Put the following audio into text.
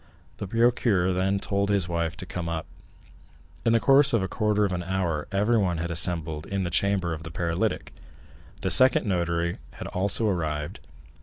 The procureur then told his wife to come up. In the course of a quarter of an hour everyone had assembled in the chamber of the paralytic; the second notary had also arrived.